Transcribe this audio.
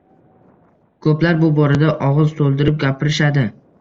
Ko`plar bu borada og`iz to`ldirib gapirishadi